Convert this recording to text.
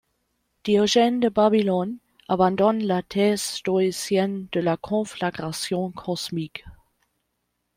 Diogène de Babylone abandonne la thèse stoïcienne de la conflagration cosmique.